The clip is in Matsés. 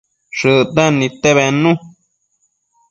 Shëcten nidte bednu